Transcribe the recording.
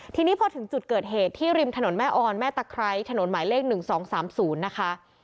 ทีนี้พอถึงจุดเกิดเหตุที่ริมถนนแม่ออนแม่ตะไคร้ถนนหมายเลข๑๒๓๐นะคะ